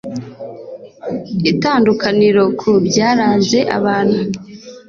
itandukaniro ku byaranze abantu